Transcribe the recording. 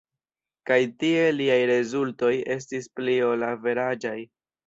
Kaj tie liaj rezultoj estis pli ol averaĝaj.